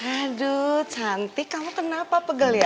aduh cantik kamu kenapa pegel ya